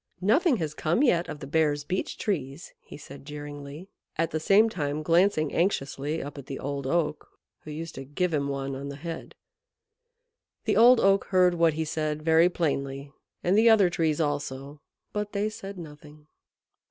"Nothing has come yet of the Bear's Beech Trees," he said jeeringly, at the same time glancing anxiously up at the Old Oak, who used to give him one on the head. The Old Oak heard what he said very plainly, and the other Trees also; but they said nothing.